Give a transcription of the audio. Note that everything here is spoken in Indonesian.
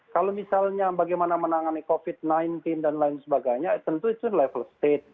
kalau misalnya bagaimana menangani covid sembilan belas dan lain sebagainya tentu itu level state